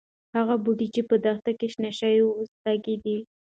هغه بوټي چې په دښته کې شنه شوي وو، اوس تږي دي.